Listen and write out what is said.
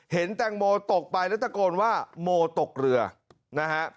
แตงโมตกไปแล้วตะโกนว่าโมตกเรือนะฮะ